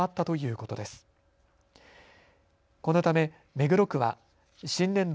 このため目黒区は新年度